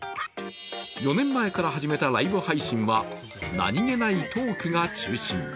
４年前から始めたライブ配信は、何気ないトークが中心。